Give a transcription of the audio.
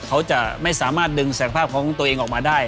เขาจะไม่สามารถดึงศักยภาพของตัวเองออกมาได้